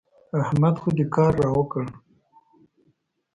احمد خو دې کار را وکړ.